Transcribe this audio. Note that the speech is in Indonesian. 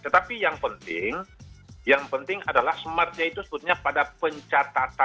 tetapi yang penting yang penting adalah smartnya itu sebetulnya pada pencatatan